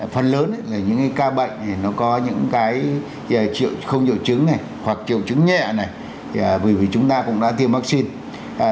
phần lớn là những ca bệnh thì nó có những cái không triệu chứng này hoặc triệu chứng nhẹ này bởi vì chúng ta cũng đã tiêm vaccine